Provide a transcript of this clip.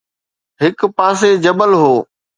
هڪ پاسي جبل هو